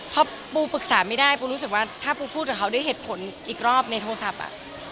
พอปูปรึกษาไม่ได้ปูรู้สึกว่าถ้าปูพูดกับเขาด้วยเหตุผลอีกรอบในโทรศัพท์อ่ะ